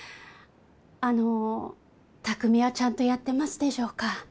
あの匠はちゃんとやってますでしょうか？